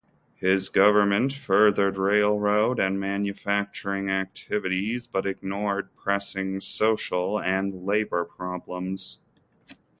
His government furthered railroad and manufacturing activities but ignored pressing social and labour problems.